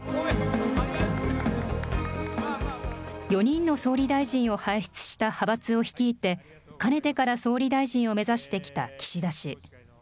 ４人の総理大臣を輩出した派閥を率いて、かねてから総理大臣を目指してきた岸田氏。